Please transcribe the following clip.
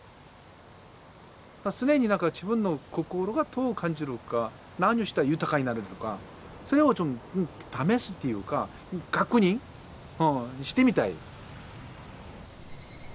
常に自分の心がどう感じるか何をしたら豊かになるのかそれを試すというか確認してみたい。